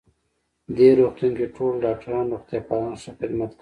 دې روغتون کې ټول ډاکټران او روغتیا پالان ښه خدمت کوی